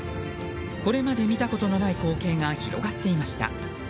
これまで見たことのない光景が広がっていました。